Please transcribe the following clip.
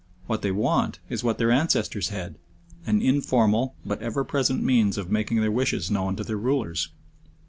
What they want is what their ancestors had an informal but ever present means of making their wishes known to their rulers.